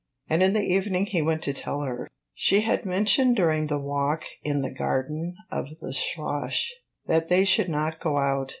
And in the evening he went to tell her; she had mentioned during the walk in the garden of the Schloss that they should not go out.